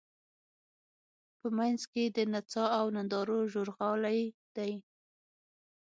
په منځ کې د نڅا او نندارو ژورغالی دی.